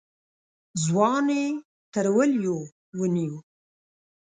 ځوان يې تر وليو ونيو.